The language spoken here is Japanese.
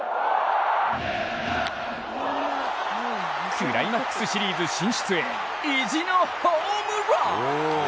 クライマックスシリーズ進出へ、意地のホームラン。